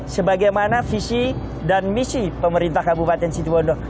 sebagaimana visi dan misi pemerintah kabupaten situbondo